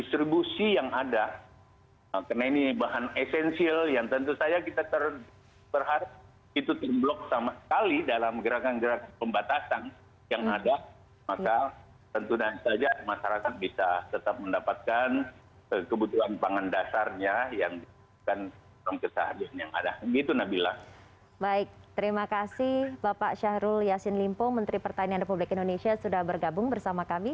terima kasih bapak syahrul yassin limpo menteri pertanian republik indonesia sudah bergabung bersama kami